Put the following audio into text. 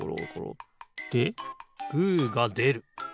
でグーがでる。